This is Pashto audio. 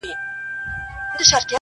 د دنیا له هر قدرت سره په جنګ یو٫